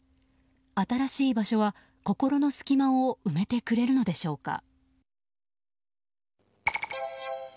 新しい場所は心の隙間を埋めてくれるのでしょうか。